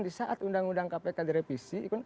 di saat undang undang kpk direvisi